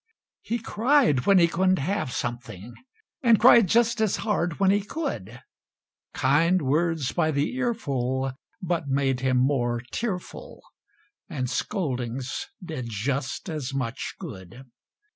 He cried when he couldn't have something; He cried just as hard when he could; Kind words by the earful but made him more tearful, And scoldings did just as much good.